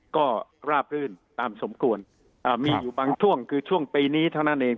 ก็ราบรื่นตามสมควรอ่ามีอยู่บางช่วงคือช่วงปีนี้เท่านั้นเอง